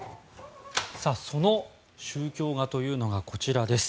その宗教画というのがこちらです。